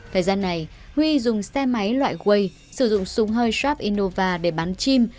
thời gian này huy dùng xe máy loại way sử dụng súng hơi sharp innova để bán chim